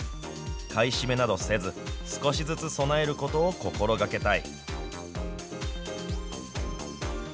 買い占めなどせず、少しずつ備えることを心がけたい。